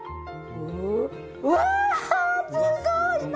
うわっすごいね。